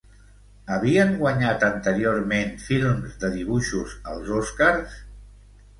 Havien guanyat anteriorment films de dibuixos als Oscars?